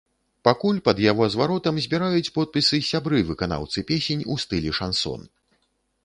Пакуль пад яго зваротам збіраюць подпісы сябры выканаўцы песень у стылі шансон.